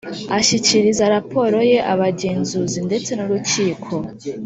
Ashyikiriza raporo ye abagenzuzi ndetse n urukiko